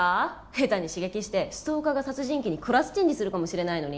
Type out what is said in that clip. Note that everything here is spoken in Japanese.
下手に刺激してストーカーが殺人鬼にクラスチェンジするかもしれないのに？